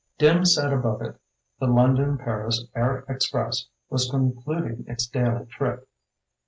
Dim set above it, the London Paris Air Express was concluding its daily trip.